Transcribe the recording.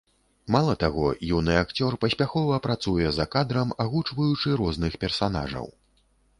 Мала таго, юны акцёр паспяхова працуе за кадрам, агучваючы розных персанажаў.